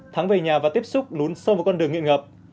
thắng về nhà và tiếp xúc lún sâu một con đường nghiện ngập